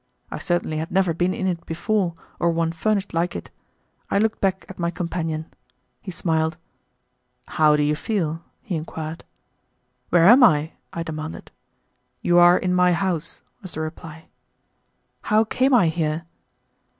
I certainly had never been in it before, or one furnished like it. I looked back at my companion. He smiled. "How do you feel?" he inquired. "Where am I?" I demanded. "You are in my house," was the reply. "How came I here?"